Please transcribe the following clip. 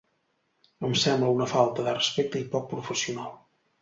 Em sembla una falta de respecte i poc professional.